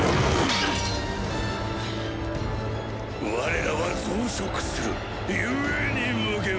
我らは増殖する故に無限。